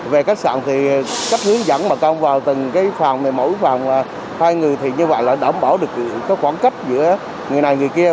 về khách sạn thì cách hướng dẫn bà con vào từng cái phòng mềm mẫu phòng hai người thì như vậy là đảm bảo được khoảng cách giữa người này người kia